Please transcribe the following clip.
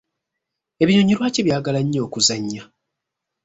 Ebinyonyi lwaki byagala nnyo okuzannya?